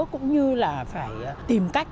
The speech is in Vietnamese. cũng như là phải tìm cách